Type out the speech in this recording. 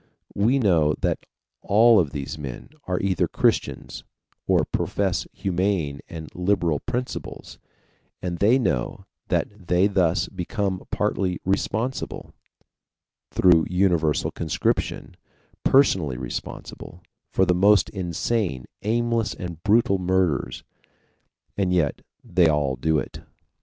We know that all of these men are either Christians, or profess humane and liberal principles, and they know that they thus become partly responsible through universal conscription, personally responsible for the most insane, aimless, and brutal murders. And yet they all do it.